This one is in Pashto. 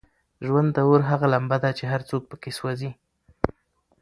ژوند د اور هغه لمبه ده چې هر څوک پکې سوزي.